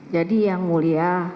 jadi yang mulia